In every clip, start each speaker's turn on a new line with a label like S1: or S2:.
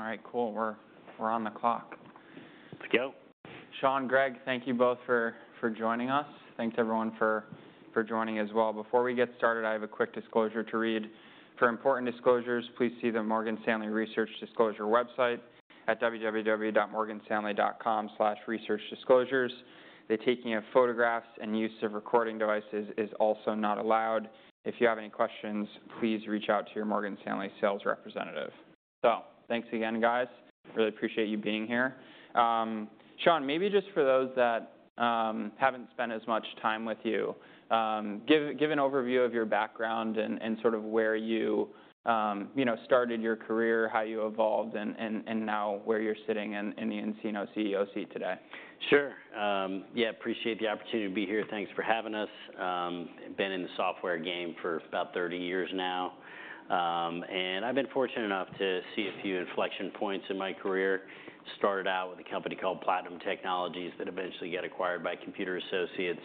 S1: All right, cool. We're on the clock.
S2: Let's go. Sean, Greg, thank you both for joining us. Thanks, everyone, for joining as well. Before we get started, I have a quick disclosure to read. For important disclosures, please see the Morgan Stanley Research Disclosure website at www.morganstanley.com/researchdisclosures. The taking of photographs and use of recording devices is also not allowed. If you have any questions, please reach out to your Morgan Stanley sales representative. Thanks again, guys. Really appreciate you being here. Sean, maybe just for those that have not spent as much time with you, give an overview of your background and sort of where you started your career, how you evolved, and now where you are sitting in the nCino CEO seat today. Sure. Yeah, appreciate the opportunity to be here. Thanks for having us. Been in the software game for about 30 years now. And I've been fortunate enough to see a few inflection points in my career. Started out with a company called Platinum Technologies that eventually got acquired by Computer Associates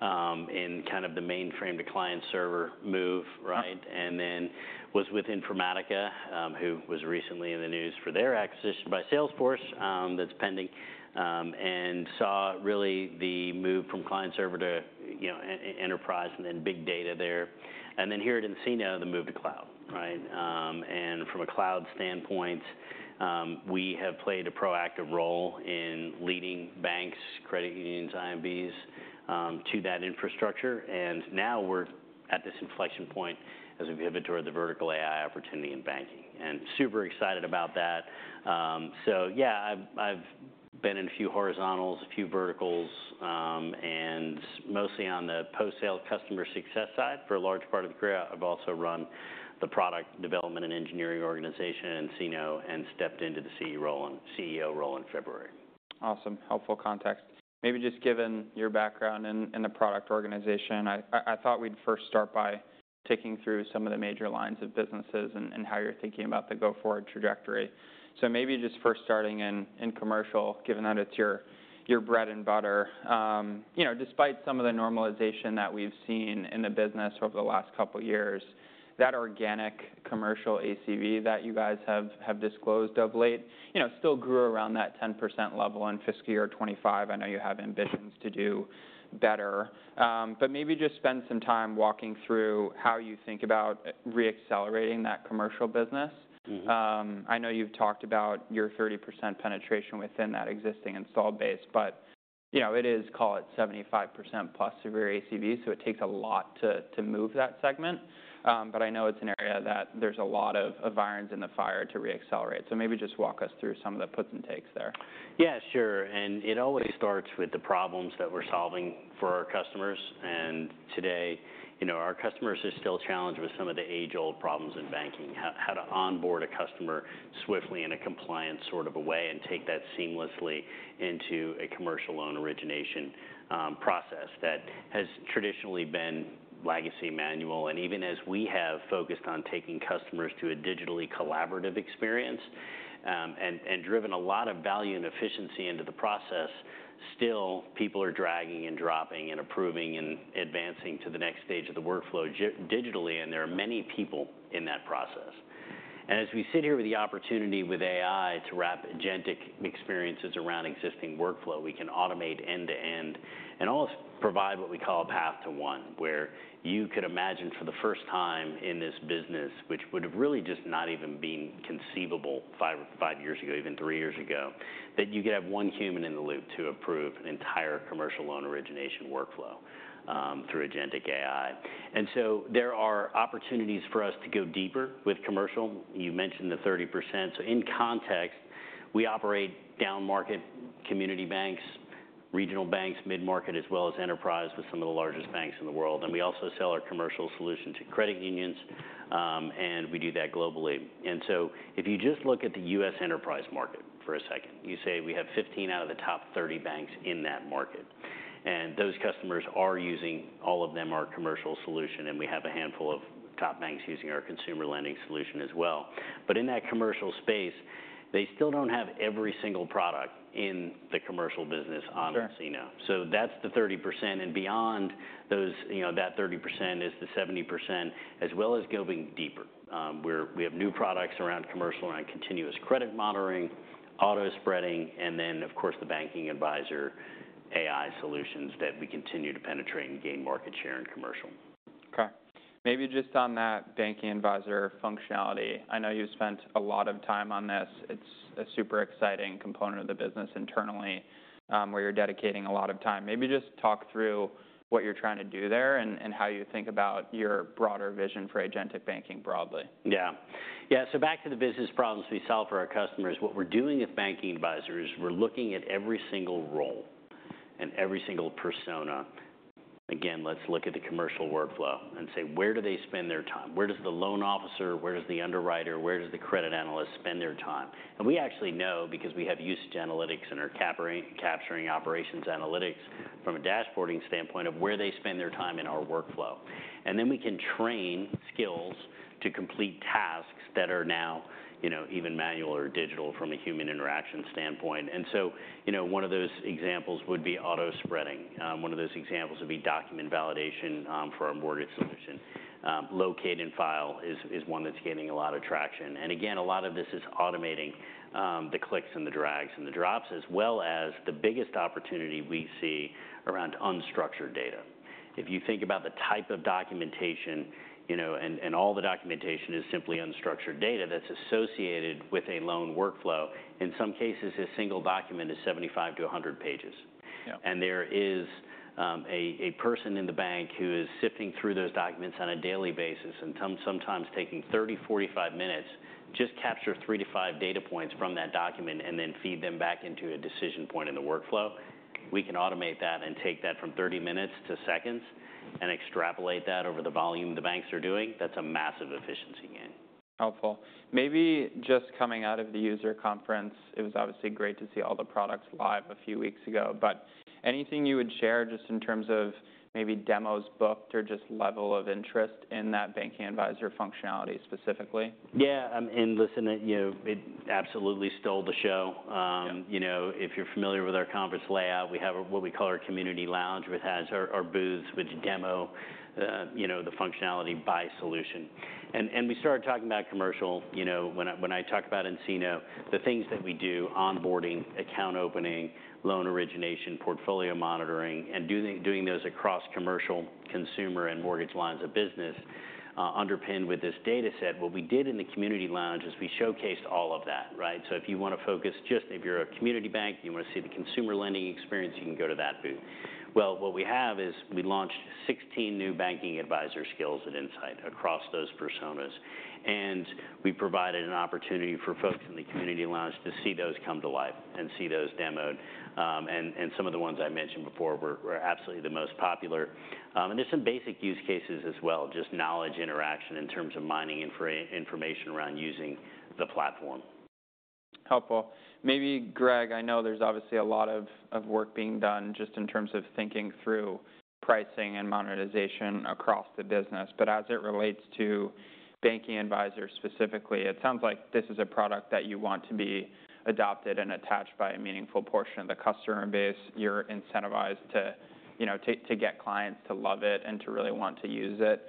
S2: in kind of the mainframe to client server move, right? And then was with Informatica, who was recently in the news for their acquisition by Salesforce that's pending. And saw really the move from client server to enterprise and then big data there. And then here at nCino, the move to cloud, right? And from a cloud standpoint, we have played a proactive role in leading banks, credit unions, IMBs to that infrastructure. And now we're at this inflection point as we pivot toward the vertical AI opportunity in banking. And super excited about that. Yeah, I've been in a few horizontals, a few verticals, and mostly on the post-sale customer success side. For a large part of the career, I've also run the product development and engineering organization at nCino and stepped into the CEO role in February. Awesome. Helpful context. Maybe just given your background in the product organization, I thought we'd first start by taking through some of the major lines of businesses and how you're thinking about the go-forward trajectory. Maybe just first starting in commercial, given that it's your bread and butter, despite some of the normalization that we've seen in the business over the last couple of years, that organic commercial ACV that you guys have disclosed of late still grew around that 10% level in fiscal year 25. I know you have ambitions to do better. Maybe just spend some time walking through how you think about reaccelerating that commercial business. I know you've talked about your 30% penetration within that existing installed base, but it is, call it 75% plus of your ACV, so it takes a lot to move that segment. But I know it's an area that there's a lot of irons in the fire to reaccelerate. Maybe just walk us through some of the puts and takes there. Yeah, sure. It always starts with the problems that we're solving for our customers. Today, our customers are still challenged with some of the age-old problems in banking, how to onboard a customer swiftly in a compliant sort of a way and take that seamlessly into a commercial loan origination process that has traditionally been legacy manual. Even as we have focused on taking customers to a digitally collaborative experience and driven a lot of value and efficiency into the process, still people are dragging and dropping and approving and advancing to the next stage of the workflow digitally. There are many people in that process. As we sit here with the opportunity with AI to wrap agentic experiences around existing workflow, we can automate end-to-end and almost provide what we call a path to one where you could imagine for the first time in this business, which would have really just not even been conceivable five years ago, even three years ago, that you could have one human in the loop to approve an entire commercial loan origination workflow through agentic AI. There are opportunities for us to go deeper with commercial. You mentioned the 30%. In context, we operate down market community banks, regional banks, mid-market, as well as enterprise with some of the largest banks in the world. We also sell our commercial solution to credit unions. We do that globally. If you just look at the U.S. enterprise market for a second, you say we have 15 out of the top 30 banks in that market. Those customers are using all of them our commercial solution. We have a handful of top banks using our consumer lending solution as well. In that commercial space, they still do not have every single product in the commercial business on nCino. That is the 30%. Beyond that 30% is the 70%, as well as going deeper. We have new products around commercial, around continuous credit monitoring, auto spreading, and then, of course, the Banking Advisor AI solutions that we continue to penetrate and gain market share in commercial. Okay. Maybe just on that Banking Advisor functionality, I know you've spent a lot of time on this. It's a super exciting component of the business internally where you're dedicating a lot of time. Maybe just talk through what you're trying to do there and how you think about your broader vision for agentic banking broadly. Yeah. Yeah, so back to the business problems we solve for our customers. What we're doing with Banking Advisor is we're looking at every single role and every single persona. Again, let's look at the commercial workflow and say, where do they spend their time? Where does the loan officer, where does the underwriter, where does the credit analyst spend their time? We actually know because we have usage analytics and are capturing operations analytics from a dashboarding standpoint of where they spend their time in our workflow. We can train skills to complete tasks that are now even manual or digital from a human interaction standpoint. One of those examples would be auto spreading. One of those examples would be document validation for our mortgage solution. Locate and file is one that's getting a lot of traction. A lot of this is automating the clicks and the drags and the drops, as well as the biggest opportunity we see around unstructured data. If you think about the type of documentation and all the documentation is simply unstructured data that's associated with a loan workflow. In some cases, a single document is 75-100 pages. There is a person in the bank who is sifting through those documents on a daily basis and sometimes taking 30-45 minutes just to capture three to five data points from that document and then feed them back into a decision point in the workflow. We can automate that and take that from 30 minutes to seconds and extrapolate that over the volume the banks are doing. That's a massive efficiency gain. Helpful. Maybe just coming out of the user conference, it was obviously great to see all the products live a few weeks ago. Anything you would share just in terms of maybe demos booked or just level of interest in that Banking Advisor functionality specifically? Yeah. I mean, listen, it absolutely stole the show. If you're familiar with our conference layout, we have what we call our community lounge, which has our booths, which demo the functionality by solution. We started talking about commercial. When I talk about nCino, the things that we do, onboarding, account opening, loan origination, portfolio monitoring, and doing those across commercial, consumer, and mortgage lines of business underpinned with this data set, what we did in the community lounge is we showcased all of that, right? If you want to focus just if you're a community bank, you want to see the consumer lending experience, you can go to that booth. What we have is we launched 16 new Banking Advisor skills and insight across those personas. We provided an opportunity for folks in the community lounge to see those come to life and see those demoed. Some of the ones I mentioned before were absolutely the most popular. There are some basic use cases as well, just knowledge interaction in terms of mining information around using the platform. Helpful. Maybe, Greg, I know there's obviously a lot of work being done just in terms of thinking through pricing and monetization across the business. As it relates to Banking Advisor specifically, it sounds like this is a product that you want to be adopted and attached by a meaningful portion of the customer base. You're incentivized to get clients to love it and to really want to use it.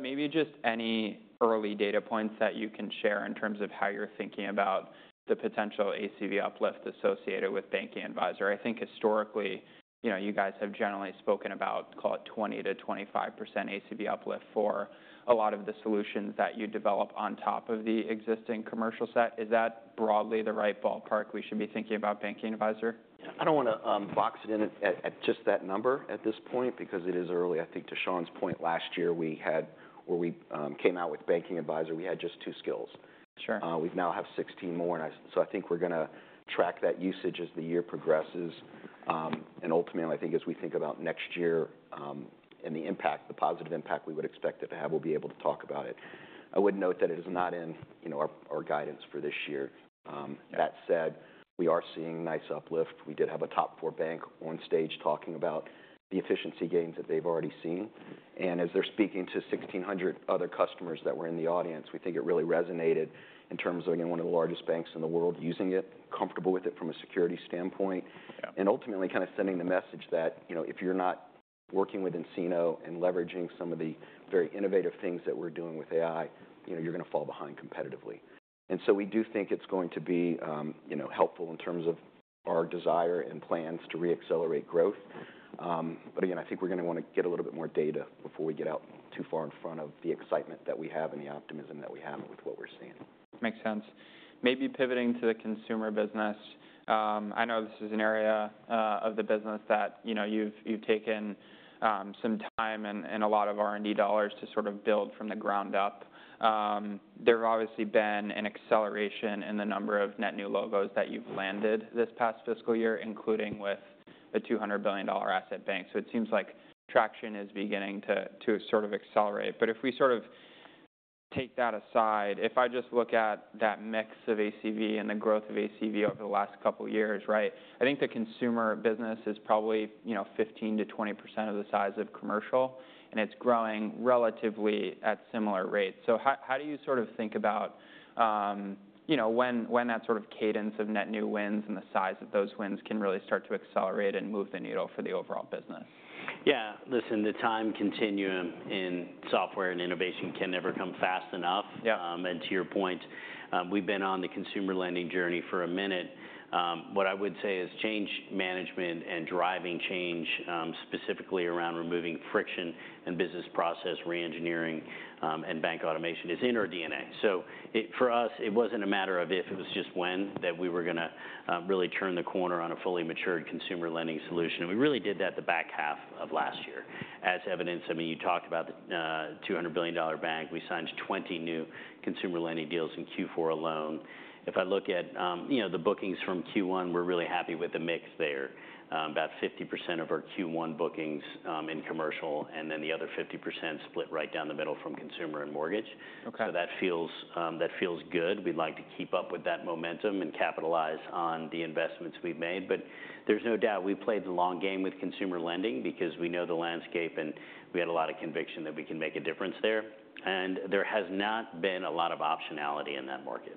S2: Maybe just any early data points that you can share in terms of how you're thinking about the potential ACV uplift associated with Banking Advisor. I think historically, you guys have generally spoken about, call it 20-25% ACV uplift for a lot of the solutions that you develop on top of the existing commercial set. Is that broadly the right ballpark we should be thinking about Banking Advisor?
S3: I don't want to box it in at just that number at this point because it is early. I think to Sean's point, last year we had, where we came out with Banking Advisor, we had just two skills. We now have 16 more. I think we're going to track that usage as the year progresses. Ultimately, I think as we think about next year and the impact, the positive impact we would expect it to have, we'll be able to talk about it. I would note that it is not in our guidance for this year. That said, we are seeing nice uplift. We did have a top four bank on stage talking about the efficiency gains that they've already seen. As they're speaking to 1,600 other customers that were in the audience, we think it really resonated in terms of, again, one of the largest banks in the world using it, comfortable with it from a security standpoint. Ultimately, kind of sending the message that if you're not working with nCino and leveraging some of the very innovative things that we're doing with AI, you're going to fall behind competitively. We do think it's going to be helpful in terms of our desire and plans to reaccelerate growth. Again, I think we're going to want to get a little bit more data before we get out too far in front of the excitement that we have and the optimism that we have with what we're seeing. Makes sense. Maybe pivoting to the consumer business. I know this is an area of the business that you've taken some time and a lot of R&D dollars to sort of build from the ground up. There have obviously been an acceleration in the number of net new logos that you've landed this past fiscal year, including with a $200 billion asset bank. It seems like traction is beginning to sort of accelerate. If we sort of take that aside, if I just look at that mix of ACV and the growth of ACV over the last couple of years, right, I think the consumer business is probably 15-20% of the size of commercial. It's growing relatively at similar rates. How do you sort of think about when that sort of cadence of net new wins and the size of those wins can really start to accelerate and move the needle for the overall business?
S2: Yeah. Listen, the time continuum in software and innovation can never come fast enough. To your point, we've been on the consumer lending journey for a minute. What I would say is change management and driving change specifically around removing friction and business process reengineering and bank automation is in our DNA. For us, it wasn't a matter of if, it was just when that we were going to really turn the corner on a fully matured consumer lending solution. We really did that the back half of last year. As evidence, I mean, you talked about the $200 billion bank. We signed 20 new consumer lending deals in Q4 alone. If I look at the bookings from Q1, we're really happy with the mix there. About 50% of our Q1 bookings in commercial and then the other 50% split right down the middle from consumer and mortgage. That feels good. We'd like to keep up with that momentum and capitalize on the investments we've made. There is no doubt we played the long game with consumer lending because we know the landscape and we had a lot of conviction that we can make a difference there. There has not been a lot of optionality in that market.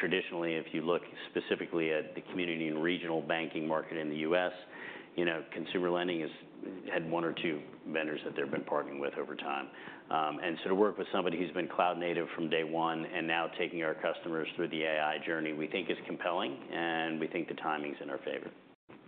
S2: Traditionally, if you look specifically at the community and regional banking market in the U.S., consumer lending has had one or two vendors that they've been partnering with over time. To work with somebody who's been cloud native from day one and now taking our customers through the AI journey, we think is compelling. We think the timing's in our favor.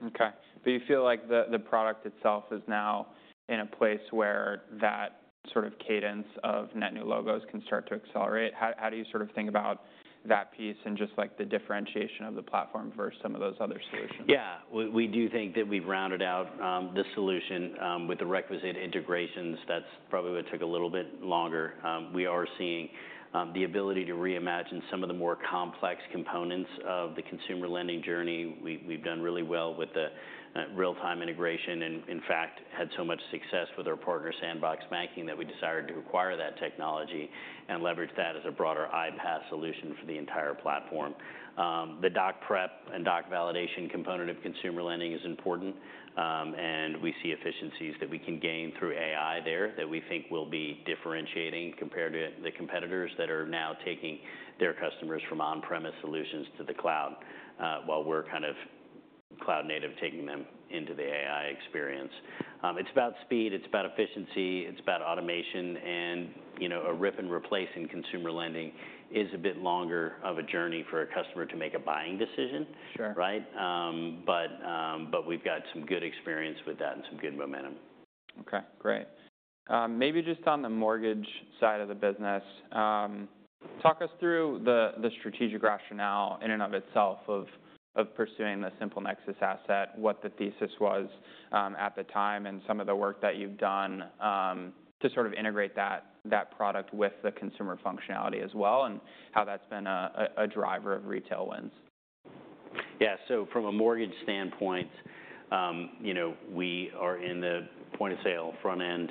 S2: Okay. Do you feel like the product itself is now in a place where that sort of cadence of net new logos can start to accelerate? How do you sort of think about that piece and just the differentiation of the platform versus some of those other solutions? Yeah. We do think that we've rounded out the solution with the requisite integrations. That's probably what took a little bit longer. We are seeing the ability to reimagine some of the more complex components of the consumer lending journey. We've done really well with the real-time integration and, in fact, had so much success with our partner Sandbox Banking that we decided to acquire that technology and leverage that as a broader iPath solution for the entire platform. The doc prep and doc validation component of consumer lending is important. We see efficiencies that we can gain through AI there that we think will be differentiating compared to the competitors that are now taking their customers from on-premise solutions to the cloud while we're kind of cloud native taking them into the AI experience. It's about speed. It's about efficiency. It's about automation. A rip and replace in consumer lending is a bit longer of a journey for a customer to make a buying decision, right? But we've got some good experience with that and some good momentum. Okay. Great. Maybe just on the mortgage side of the business, talk us through the strategic rationale in and of itself of pursuing the Simple Nexus asset, what the thesis was at the time, and some of the work that you've done to sort of integrate that product with the consumer functionality as well and how that's been a driver of retail wins. Yeah. From a mortgage standpoint, we are in the point of sale, front-end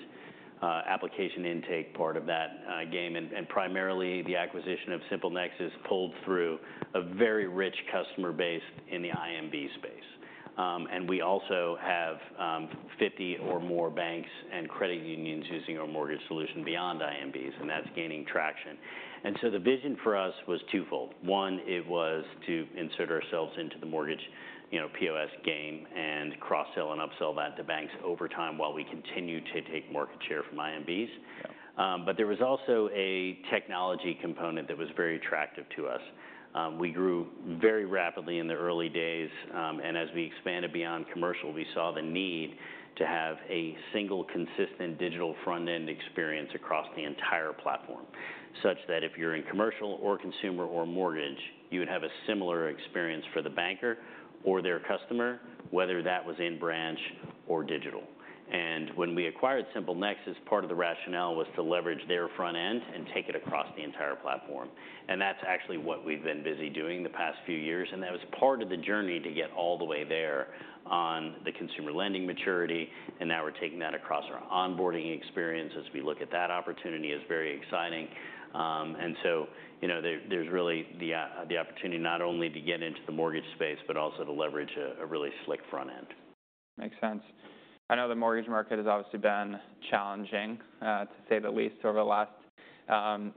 S2: application intake part of that game. Primarily, the acquisition of Simple Nexus pulled through a very rich customer base in the IMB space. We also have 50 or more banks and credit unions using our mortgage solution beyond IMBs. That is gaining traction. The vision for us was twofold. One, it was to insert ourselves into the mortgage POS game and cross-sell and upsell that to banks over time while we continue to take market share from IMBs. There was also a technology component that was very attractive to us. We grew very rapidly in the early days. As we expanded beyond commercial, we saw the need to have a single consistent digital front-end experience across the entire platform, such that if you're in commercial or consumer or mortgage, you would have a similar experience for the banker or their customer, whether that was in branch or digital. When we acquired Simple Nexus, part of the rationale was to leverage their front-end and take it across the entire platform. That's actually what we've been busy doing the past few years. That was part of the journey to get all the way there on the consumer lending maturity. Now we're taking that across our onboarding experience as we look at that opportunity as very exciting. There's really the opportunity not only to get into the mortgage space, but also to leverage a really slick front-end. Makes sense. I know the mortgage market has obviously been challenging, to say the least, over the last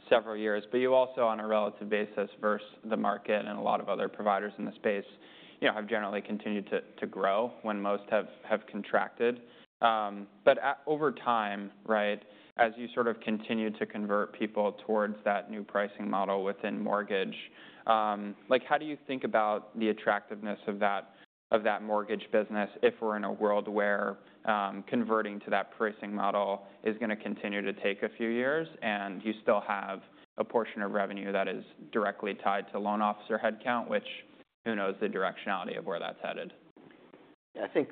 S2: several years. You also, on a relative basis versus the market and a lot of other providers in the space, have generally continued to grow when most have contracted. Over time, right, as you sort of continue to convert people towards that new pricing model within mortgage, how do you think about the attractiveness of that mortgage business if we're in a world where converting to that pricing model is going to continue to take a few years and you still have a portion of revenue that is directly tied to loan officer headcount, which who knows the directionality of where that's headed?
S3: I think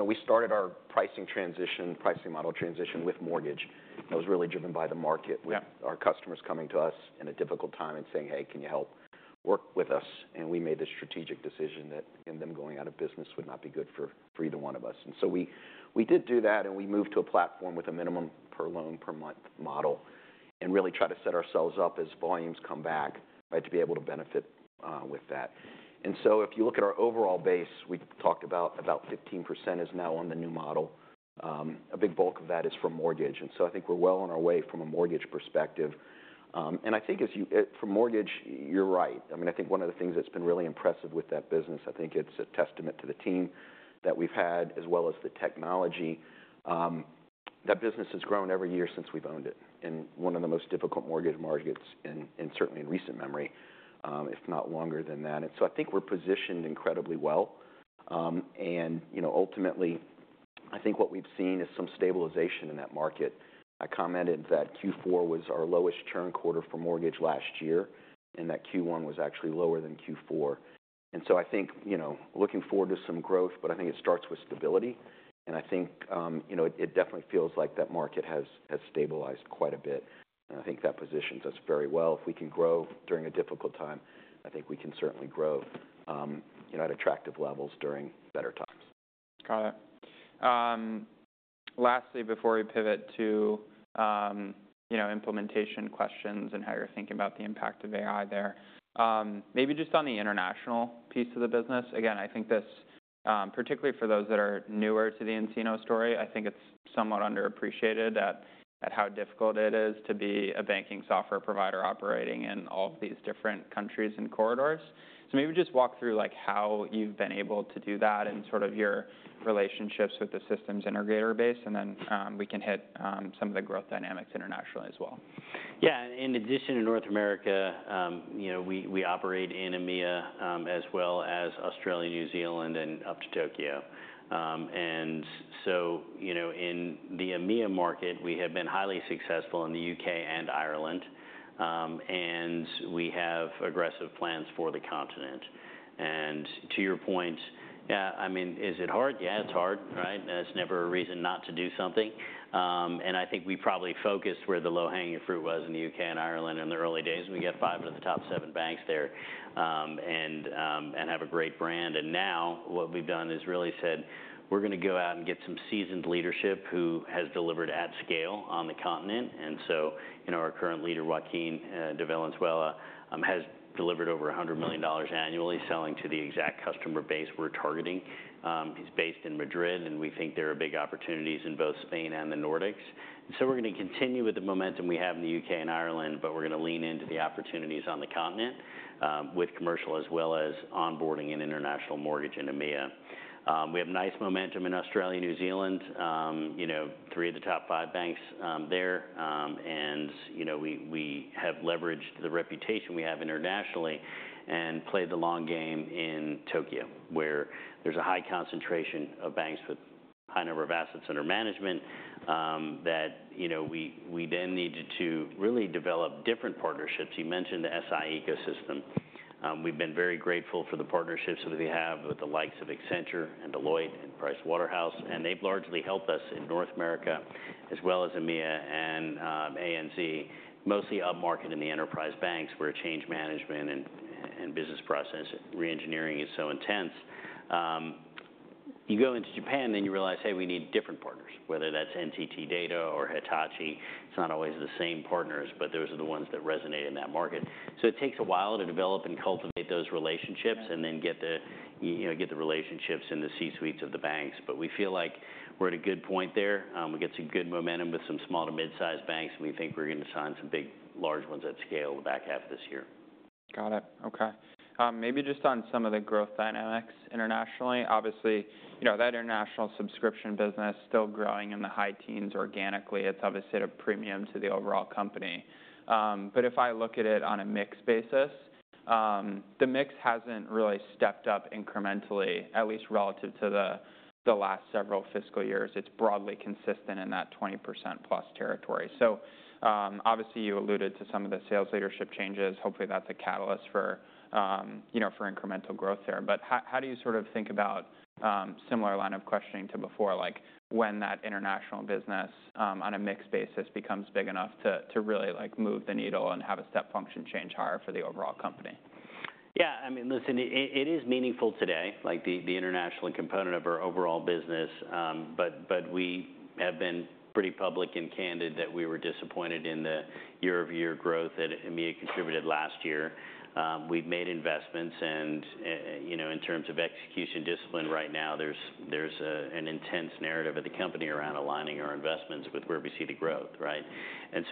S3: we started our pricing transition, pricing model transition with mortgage. It was really driven by the market with our customers coming to us in a difficult time and saying, "Hey, can you help work with us?" We made the strategic decision that them going out of business would not be good for either one of us. We did do that. We moved to a platform with a minimum per loan per month model and really tried to set ourselves up as volumes come back to be able to benefit with that. If you look at our overall base, we talked about about 15% is now on the new model. A big bulk of that is from mortgage. I think we are well on our way from a mortgage perspective. I think for mortgage, you are right. I mean, I think one of the things that's been really impressive with that business, I think it's a testament to the team that we've had as well as the technology. That business has grown every year since we've owned it in one of the most difficult mortgage markets and certainly in recent memory, if not longer than that. I think we're positioned incredibly well. Ultimately, I think what we've seen is so+me stabilization in that market. I commented that Q4 was our lowest churn quarter for mortgage last year and that Q1 was actually lower than Q4. I think looking forward to some growth, but I think it starts with stability. I think it definitely feels like that market has stabilized quite a bit. I think that positions us very well. If we can grow during a difficult time, I think we can certainly grow at attractive levels during better times. Got it. Lastly, before we pivot to implementation questions and how you're thinking about the impact of AI there, maybe just on the international piece of the business. Again, I think this, particularly for those that are newer to the nCino story, I think it's somewhat underappreciated at how difficult it is to be a banking software provider operating in all of these different countries and corridors. Maybe just walk through how you've been able to do that and sort of your relationships with the systems integrator base. Then we can hit some of the growth dynamics internationally as well.
S2: Yeah. In addition to North America, we operate in EMEA as well as Australia, New Zealand, and up to Tokyo. In the EMEA market, we have been highly successful in the U.K. and Ireland. We have aggressive plans for the continent. To your point, yeah, I mean, is it hard? Yeah, it's hard, right? That's never a reason not to do something. I think we probably focused where the low-hanging fruit was in the U.K. and Ireland in the early days. We got five of the top seven banks there and have a great brand. Now what we've done is really said, we're going to go out and get some seasoned leadership who has delivered at scale on the continent. Our current leader, Joaquin De Valenzuela, has delivered over $100 million annually selling to the exact customer base we're targeting. He's based in Madrid. We think there are big opportunities in both Spain and the Nordics. We are going to continue with the momentum we have in the U.K. and Ireland, but we are going to lean into the opportunities on the continent with commercial as well as onboarding and international mortgage in EMEA. We have nice momentum in Australia, New Zealand, three of the top five banks there. We have leveraged the reputation we have internationally and played the long game in Tokyo, where there is a high concentration of banks with a high number of assets under management that we then needed to really develop different partnerships. You mentioned the SI ecosystem. We have been very grateful for the partnerships that we have with the likes of Accenture and Deloitte and Pricewaterhouse. They've largely helped us in North America as well as EMEA and ANZ, mostly upmarket in the enterprise banks where change management and business process reengineering is so intense. You go into Japan and you realize, hey, we need different partners, whether that's NTT Data or Hitachi. It's not always the same partners, but those are the ones that resonate in that market. It takes a while to develop and cultivate those relationships and then get the relationships in the C-suites of the banks. We feel like we're at a good point there. We get some good momentum with some small to mid-sized banks. We think we're going to sign some big large ones at scale the back half of this year. Got it. Okay. Maybe just on some of the growth dynamics internationally. Obviously, that international subscription business is still growing in the high teens organically. It's obviously at a premium to the overall company. If I look at it on a mixed basis, the mix hasn't really stepped up incrementally, at least relative to the last several fiscal years. It's broadly consistent in that 20%+ territory. Obviously, you alluded to some of the sales leadership changes. Hopefully, that's a catalyst for incremental growth there. How do you sort of think about a similar line of questioning to before, like when that international business on a mixed basis becomes big enough to really move the needle and have a step function change higher for the overall company? Yeah. I mean, listen, it is meaningful today, the international component of our overall business. We have been pretty public and candid that we were disappointed in the year-over-year growth that EMEA contributed last year. We have made investments. In terms of execution discipline, right now, there is an intense narrative at the company around aligning our investments with where we see the growth, right?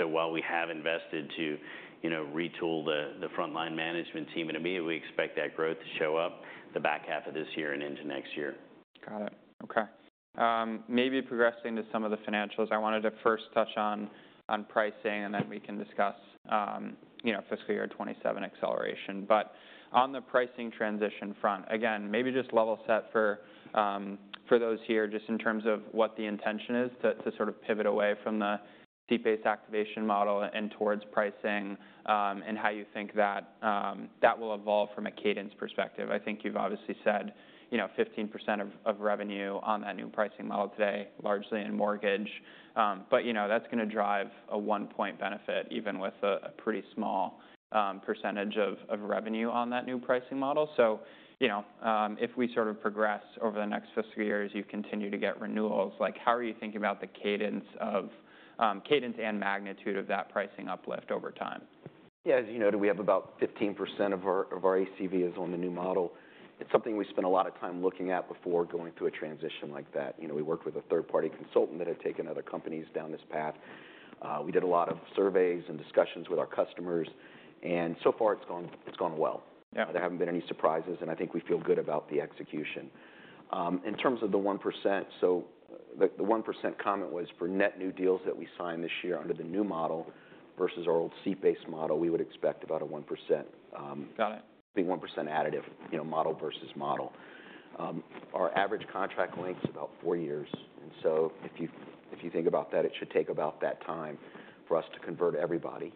S2: While we have invested to retool the front-line management team at EMEA, we expect that growth to show up the back half of this year and into next year. Got it. Okay. Maybe progressing to some of the financials, I wanted to first touch on pricing, and then we can discuss fiscal year 27 acceleration. On the pricing transition front, again, maybe just level set for those here, just in terms of what the intention is to sort of pivot away from the seat-based activation model and towards pricing and how you think that will evolve from a cadence perspective. I think you've obviously said 15% of revenue on that new pricing model today, largely in mortgage. That is going to drive a one percentage point benefit even with a pretty small percentage of revenue on that new pricing model. If we sort of progress over the next fiscal years, you continue to get renewals, how are you thinking about the cadence and magnitude of that pricing uplift over time?
S3: Yeah. As you noted, we have about 15% of our ACVs on the new model. It's something we spent a lot of time looking at before going through a transition like that. We worked with a third-party consultant that had taken other companies down this path. We did a lot of surveys and discussions with our customers. So far, it's gone well. There haven't been any surprises. I think we feel good about the execution. In terms of the 1%, the 1% comment was for net new deals that we sign this year under the new model versus our old seat-based model, we would expect about a 1% additive model versus model. Our average contract length is about four years. If you think about that, it should take about that time for us to convert everybody.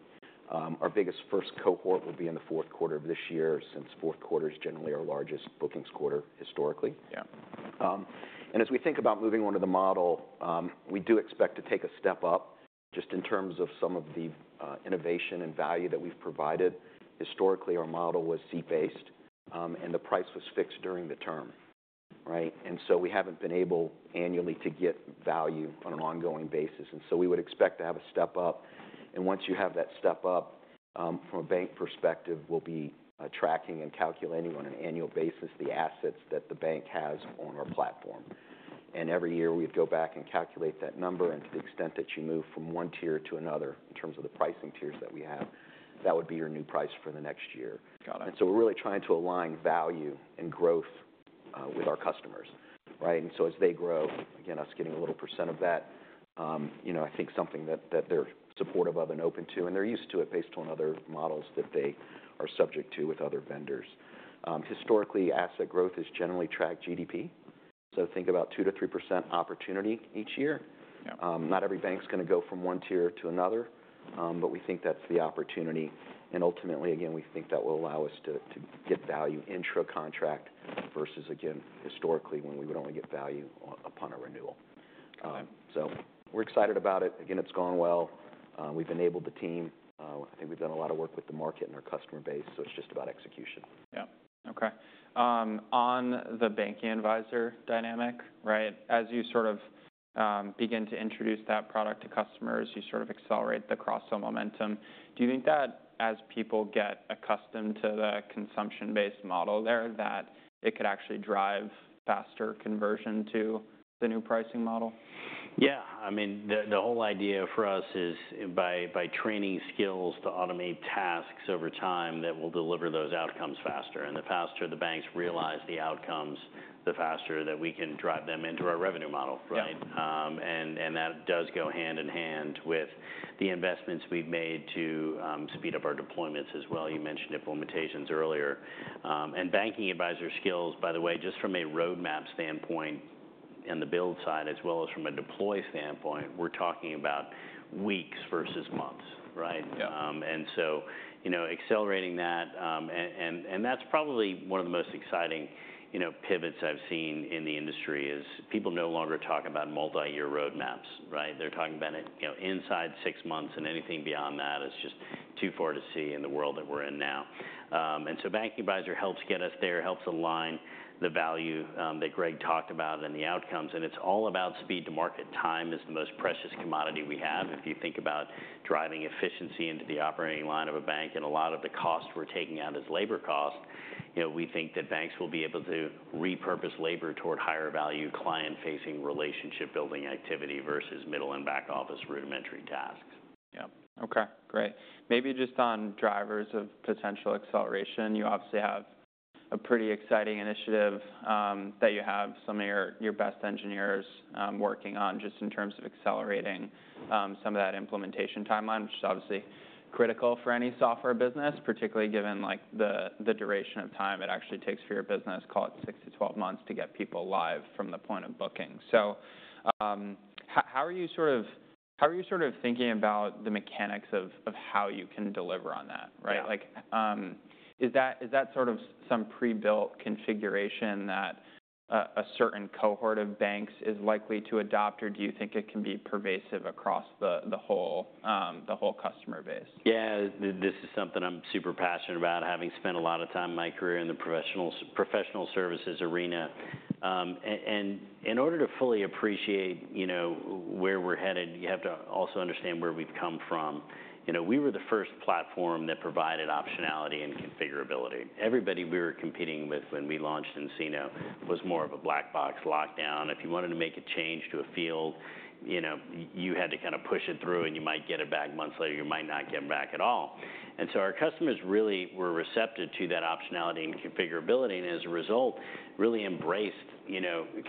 S3: Our biggest first cohort will be in the fourth quarter of this year since fourth quarter is generally our largest bookings quarter historically. As we think about moving on to the model, we do expect to take a step up just in terms of some of the innovation and value that we've provided. Historically, our model was seat-based, and the price was fixed during the term, right? We haven't been able annually to get value on an ongoing basis. We would expect to have a step up. Once you have that step up, from a bank perspective, we'll be tracking and calculating on an annual basis the assets that the bank has on our platform. Every year, we'd go back and calculate that number. To the extent that you move from one tier to another in terms of the pricing tiers that we have, that would be your new price for the next year. We are really trying to align value and growth with our customers, right? As they grow, again, us getting a little % of that, I think something that they are supportive of and open to. They are used to it based on other models that they are subject to with other vendors. Historically, asset growth has generally tracked GDP. Think about 2%-3% opportunity each year. Not every bank is going to go from one tier to another, but we think that is the opportunity. Ultimately, again, we think that will allow us to get value intra-contract versus, again, historically when we would only get value upon a renewal. We are excited about it. Again, it's gone well. We've enabled the team. I think we've done a lot of work with the market and our customer base. It's just about execution. Yeah. Okay. On the Banking Advisor dynamic, right, as you sort of begin to introduce that product to customers, you sort of accelerate the cross-sale momentum. Do you think that as people get accustomed to the consumption-based model there, that it could actually drive faster conversion to the new pricing model?
S2: Yeah. I mean, the whole idea for us is by training skills to automate tasks over time that will deliver those outcomes faster. The faster the banks realize the outcomes, the faster that we can drive them into our revenue model, right? That does go hand in hand with the investments we've made to speed up our deployments as well. You mentioned implementations earlier. And Banking Advisor skills, by the way, just from a roadmap standpoint and the build side, as well as from a deploy standpoint, we're talking about weeks versus months, right? Accelerating that. That's probably one of the most exciting pivots I've seen in the industry is people no longer talk about multi-year roadmaps, right? They're talking about inside six months. Anything beyond that is just too far to see in the world that we're in now. Banking Advisor helps get us there, helps align the value that Greg talked about and the outcomes. It is all about speed to market. Time is the most precious commodity we have. If you think about driving efficiency into the operating line of a bank and a lot of the cost we are taking out is labor cost, we think that banks will be able to repurpose labor toward higher value client-facing relationship-building activity versus middle and back-office rudimentary tasks. Yeah. Okay. Great. Maybe just on drivers of potential acceleration, you obviously have a pretty exciting initiative that you have some of your best engineers working on just in terms of accelerating some of that implementation timeline, which is obviously critical for any software business, particularly given the duration of time it actually takes for your business, call it 6-12 months to get people live from the point of booking. How are you sort of thinking about the mechanics of how you can deliver on that, right? Is that sort of some pre-built configuration that a certain cohort of banks is likely to adopt, or do you think it can be pervasive across the whole customer base? Yeah. This is something I'm super passionate about, having spent a lot of time in my career in the professional services arena. In order to fully appreciate where we're headed, you have to also understand where we've come from. We were the first platform that provided optionality and configurability. Everybody we were competing with when we launched nCino was more of a black box lockdown. If you wanted to make a change to a field, you had to kind of push it through, and you might get it back months later. You might not get it back at all. Our customers really were receptive to that optionality and configurability and as a result, really embraced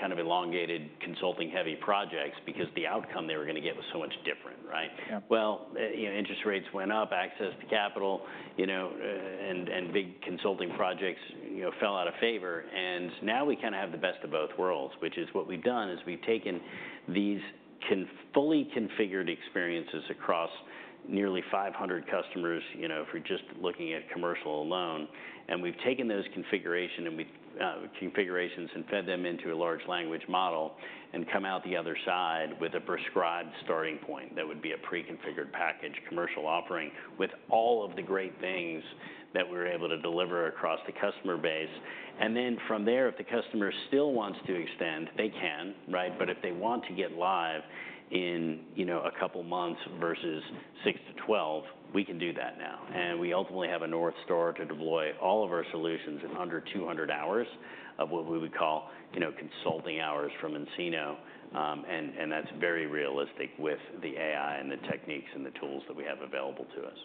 S2: kind of elongated consulting-heavy projects because the outcome they were going to get was so much different, right? Interest rates went up, access to capital, and big consulting projects fell out of favor. Now we kind of have the best of both worlds, which is what we have done is we have taken these fully configured experiences across nearly 500 customers if we are just looking at commercial alone. We have taken those configurations and fed them into a large language model and come out the other side with a prescribed starting point that would be a pre-configured package commercial offering with all of the great things that we are able to deliver across the customer base. From there, if the customer still wants to extend, they can, right? If they want to get live in a couple of months versus 6-12, we can do that now. We ultimately have a North Star to deploy all of our solutions in under 200 hours of what we would call consulting hours from nCino. That is very realistic with the AI and the techniques and the tools that we have available to us.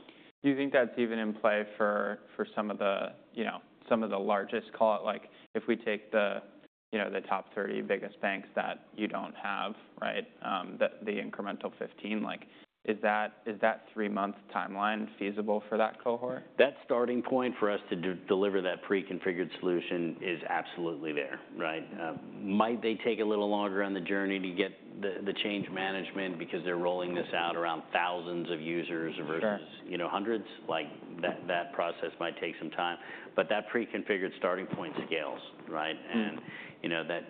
S2: Do you think that's even in play for some of the largest, call it like if we take the top 30 biggest banks that you don't have, right, the incremental 15, is that three-month timeline feasible for that cohort? That starting point for us to deliver that pre-configured solution is absolutely there, right? Might they take a little longer on the journey to get the change management because they're rolling this out around thousands of users versus hundreds? That process might take some time. That pre-configured starting point scales, right?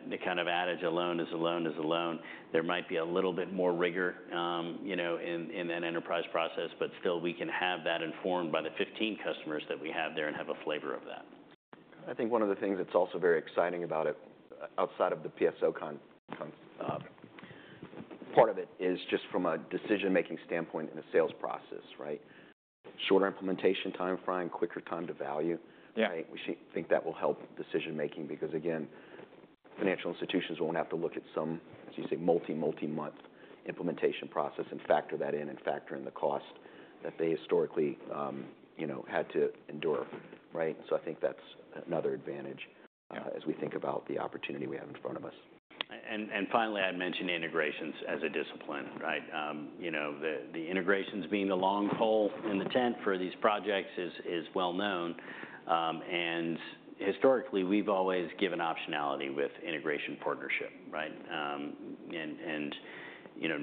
S2: The kind of added alone is alone is alone. There might be a little bit more rigor in that enterprise process, but still, we can have that informed by the 15 customers that we have there and have a flavor of that.
S3: I think one of the things that's also very exciting about it outside of the PSOCON part of it is just from a decision-making standpoint in the sales process, right? Shorter implementation timeframe, quicker time to value, right? We think that will help decision-making because, again, financial institutions won't have to look at some, as you say, multi, multi-month implementation process and factor that in and factor in the cost that they historically had to endure, right? I think that's another advantage as we think about the opportunity we have in front of us.
S2: Finally, I'd mention integrations as a discipline, right? The integrations being the long pole in the tent for these projects is well known. Historically, we've always given optionality with integration partnership, right?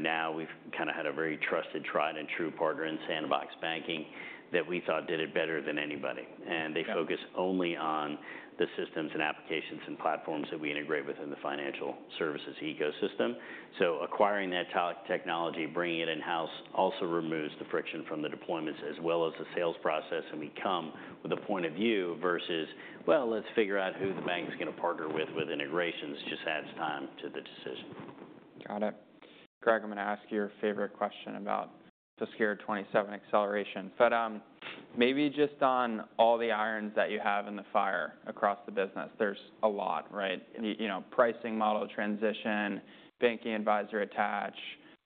S2: Now we've kind of had a very trusted, tried, and true partner in Sandbox Banking that we thought did it better than anybody. They focus only on the systems and applications and platforms that we integrate within the financial services ecosystem. Acquiring that technology, bringing it in-house also removes the friction from the deployments as well as the sales process, and we come with a point of view versus, well, let's figure out who the bank is going to partner with with integrations. It just adds time to the decision. Got it. Greg, I'm going to ask you your favorite question about fiscal year 27 acceleration. Maybe just on all the irons that you have in the fire across the business, there's a lot, right? Pricing model transition, Banking Advisor attach,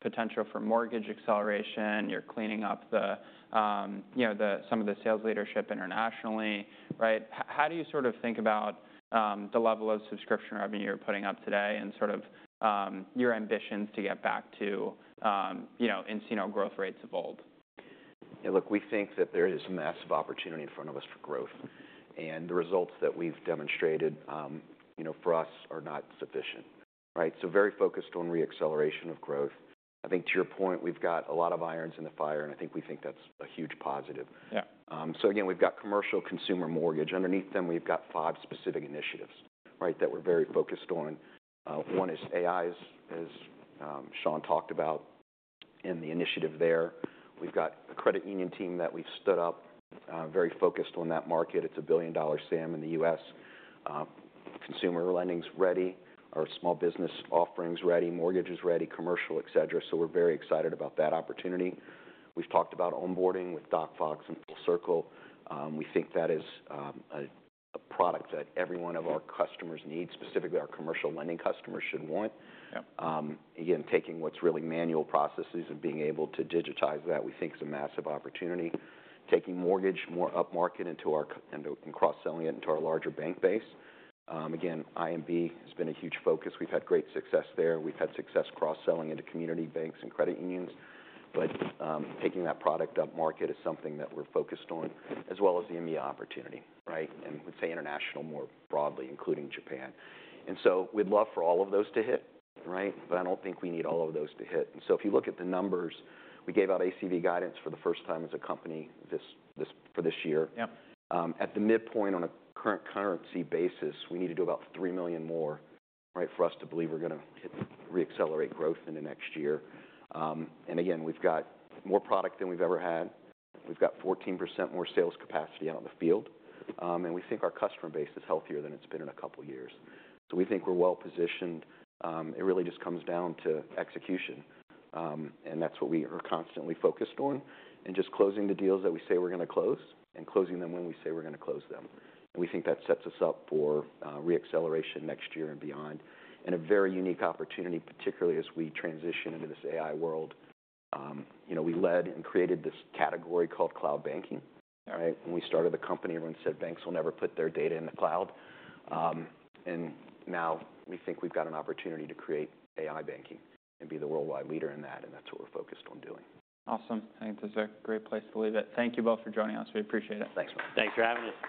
S2: potential for mortgage acceleration, you're cleaning up some of the sales leadership internationally, right? How do you sort of think about the level of subscription revenue you're putting up today and sort of your ambitions to get back to nCino growth rates of old?
S3: Yeah. Look, we think that there is a massive opportunity in front of us for growth. And the results that we've demonstrated for us are not sufficient, right? So very focused on re-acceleration of growth. I think to your point, we've got a lot of irons in the fire, and I think we think that's a huge positive. Again, we've got commercial, consumer, mortgage. Underneath them, we've got five specific initiatives, right, that we're very focused on. One is AI, as Sean talked about in the initiative there. We've got a credit union team that we've stood up, very focused on that market. It's a $1 billion SAM in the US. Consumer lending's ready. Our small business offering's ready. Mortgage is ready. Commercial, et cetera. We're very excited about that opportunity. We've talked about onboarding with DocFox and FullCircle. We think that is a product that every one of our customers needs, specifically our commercial lending customers should want. Again, taking what is really manual processes and being able to digitize that, we think is a massive opportunity. Taking mortgage more up market and cross-selling it into our larger bank base. Again, IMB has been a huge focus. We have had great success there. We have had success cross-selling into community banks and credit unions. Taking that product up market is something that we are focused on, as well as the ME opportunity, right? We would say international more broadly, including Japan. We would love for all of those to hit, right? I do not think we need all of those to hit. If you look at the numbers, we gave out ACV guidance for the first time as a company for this year. At the midpoint on a current currency basis, we need to do about $3 million more, right, for us to believe we're going to re-accelerate growth in the next year. And again, we've got more product than we've ever had. We've got 14% more sales capacity out in the field. We think our customer base is healthier than it's been in a couple of years. We think we're well positioned. It really just comes down to execution. That's what we are constantly focused on. Just closing the deals that we say we're going to close and closing them when we say we're going to close them. We think that sets us up for re-acceleration next year and beyond. A very unique opportunity, particularly as we transition into this AI world. We led and created this category called cloud banking, right? When we started the company, everyone said banks will never put their data in the cloud. Now we think we've got an opportunity to create AI banking and be the worldwide leader in that. That's what we're focused on doing. Awesome. I think this is a great place to leave it. Thank you both for joining us. We appreciate it. Thanks.
S2: Thanks for having us.